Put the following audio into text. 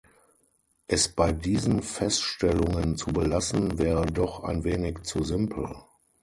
Es bei diesen Feststellungen zu belassen, wäre doch ein wenig zu simpel.